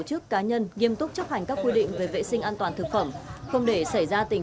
chức cá nhân nghiêm túc chấp hành các quy định về vệ sinh an toàn thực phẩm không để xảy ra tình